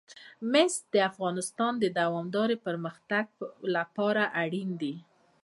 مس د افغانستان د دوامداره پرمختګ لپاره اړین دي.